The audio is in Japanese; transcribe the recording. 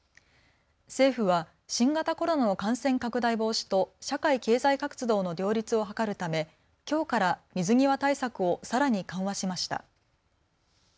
政府は新型コロナの感染拡大防止と社会経済活動の両立を図るためきょうから水際対策をさらに緩和しました。